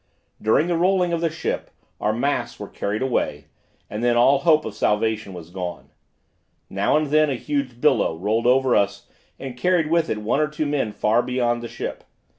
During the rolling of the ship, our masts were carried away, and then all hope of salvation was gone. Now and then a huge billow rolled over us, and carried with it one or two men far beyond the ship.